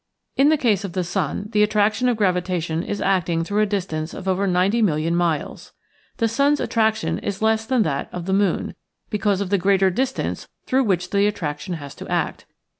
In the case of the sun the attraction of gravitation is acting through a distance of over 90,000,000 of miles. The sun's attraction is less than that of the moon, because of the greater distance through which the attraction has to act.